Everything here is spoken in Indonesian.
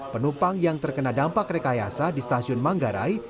penumpang yang terkena dampak rekayasa di stasiun manggarai